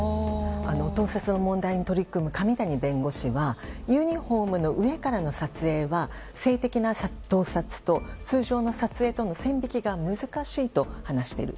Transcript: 盗撮の問題に取り組む上谷弁護士はユニホームの上からの撮影は性的な盗撮と通常の撮影との線引きが難しいと話している。